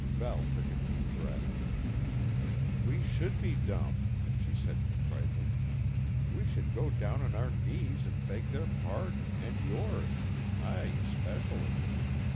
Val took a deep breath. "We should be dumb," she said contritely. "We should go down on our knees and beg their pardon and yours I especially.